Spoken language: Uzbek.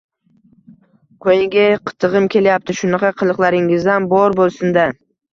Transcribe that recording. Qo`ying-e, qitig`im kelyapti, shunaqa qiliqlaringizam bor bo`lsin-da